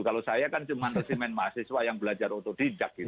kalau saya kan cuma resimen mahasiswa yang belajar otodidak gitu